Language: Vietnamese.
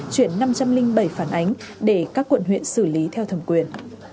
chuyển năm trăm linh bảy phản ánh để các quận huyện xử lý theo thẩm quyền